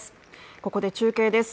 ここで中継です。